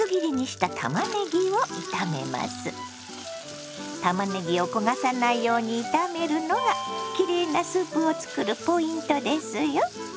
たまねぎを焦がさないように炒めるのがきれいなスープを作るポイントですよ。